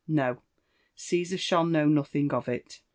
— fio, Cesar shall know nothing of it."